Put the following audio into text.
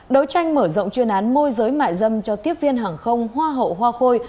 đấu tranh mở rộng chuyên án môi giới mại dâm cho tiếp viên hàng không hoa hậu hoa khôi